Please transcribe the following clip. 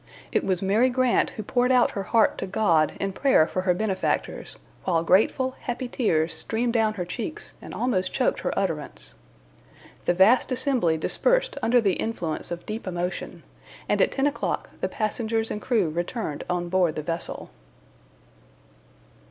It was Mary Grant who poured out her heart to God in prayer for her benefactors, while grateful happy tears streamed down her cheeks, and almost choked her utterance. The vast assembly dispersed under the influence of deep emotion, and at ten o'clock the passengers and crew returned on board the vessel.